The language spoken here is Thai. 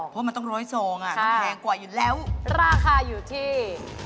ต้องแพงกว่าอยู่แล้วราคาอยู่ที่